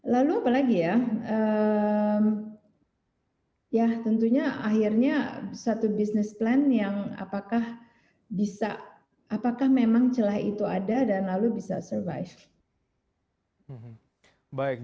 lalu apalagi ya tentunya akhirnya satu business plan yang apakah bisa apakah memang celah itu ada dan lalu bisa survive